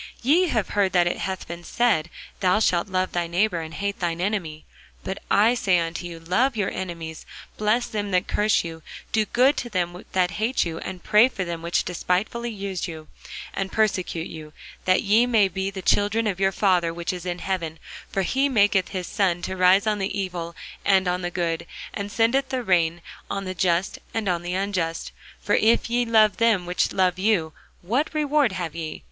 Ye have heard that it hath been said, Thou shalt love thy neighbour, and hate thine enemy. But I say unto you, Love your enemies, bless them that curse you, do good to them that hate you, and pray for them which despitefully use you, and persecute you; that ye may be the children of your Father which is in heaven: for he maketh his sun to rise on the evil and on the good, and sendeth rain on the just and on the unjust. For if ye love them which love you, what reward have ye?